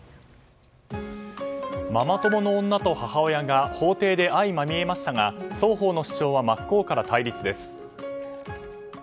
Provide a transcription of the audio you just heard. ママ友の女と母親が法廷で相まみえましたが、双方の主張は真っ向から対立です。